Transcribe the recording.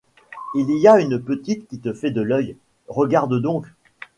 Il y a une petite qui te fait de l’œil, regarde donc.